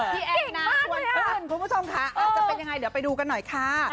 แอนนาชวนขึ้นคุณผู้ชมค่ะอาจจะเป็นยังไงเดี๋ยวไปดูกันหน่อยค่ะ